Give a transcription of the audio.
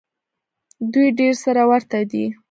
دوی ډېر سره ورته دي.